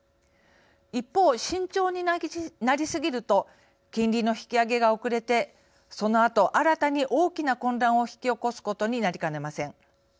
一方慎重になりすぎると金利の引き上げが遅れてそのあと新たに大きな混乱を引き起こすことになりかねません。